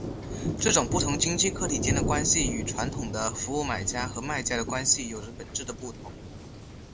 这种不同经济个体间的关系与传统的服务买家和卖家的关系有着本质的不同。